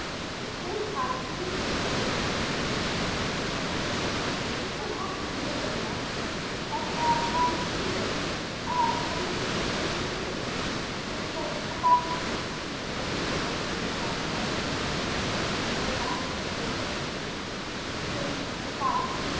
"Don't cry, please," said Jill, only dimly understanding the drift of her words. "You can't help being a widow, you know. That's why I've come to see you. And I've come to see your children too, because it says the 'fatherless!' " But at this Mrs. Drake began to sob afresh, and so violently that Jill felt quite alarmed. "So they be! 'Fatherless.'